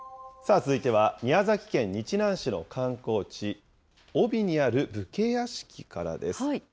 続いては、宮崎県日南市の観光地、飫肥にある武家屋敷からです。